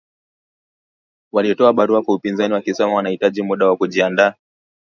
Walitoa barua kwa upinzani wakisema wanahitaji muda wa kujiandaa